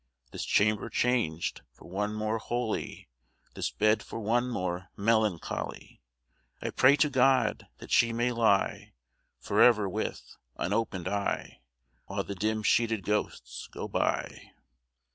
This chamber changed for one more holy, This bed for one more melancholy, I pray to God that she may lie For ever with unopened eye, While the dim sheeted ghosts go by!